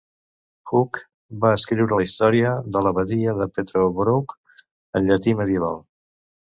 Hug va escriure la història de l'abadia de Peterborough en llatí medieval.